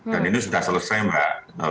dan ini sudah selesai mbak